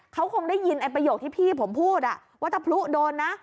เขาคงได้ยินไอ้ประโยคที่พี่ผมพูดว่าถ้าพลุโดนนะ